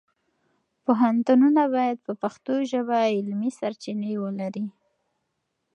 پوهنتونونه باید په پښتو ژبه علمي سرچینې ولري.